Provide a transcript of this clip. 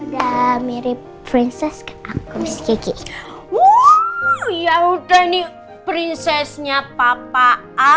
dan mirip prinses ke aku kecik ya udah nih prinsesnya papa